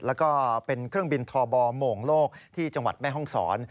แล้วก็เป็นเครื่องบินทบโมงโลกที่จังหวัดแม่ห้องศร